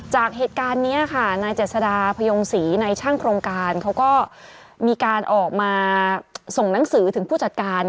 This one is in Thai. จากเหตุการณ์นี้ค่ะนายเจษฎาพยงศรีในช่างโครงการเขาก็มีการออกมาส่งหนังสือถึงผู้จัดการ